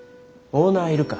オーナーいるか。